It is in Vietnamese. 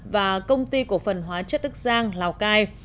và công ty cổ phần hóa chất đức giang lào cai